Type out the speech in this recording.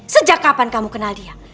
sejak kapan kamu kenal dia